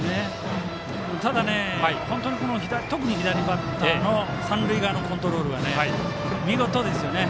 ただ、特に左バッターの三塁側のコントロールが見事ですよね。